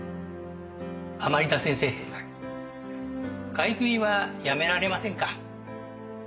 買い食いはやめられませんか？